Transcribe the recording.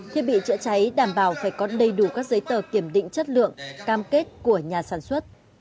thiết bị chữa cháy đảm bảo phải có đầy đủ các giấy tờ kiểm định chất lượng cam kết của nhà sản xuất